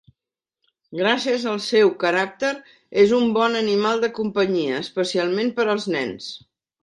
Gràcies al seu caràcter és un bon animal de companyia, especialment per als nens.